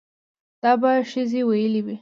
دا به ښځې ويلې وي